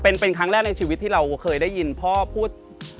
เป็นครั้งแรกในชีวิตที่เราเคยได้ยินพ่อพูด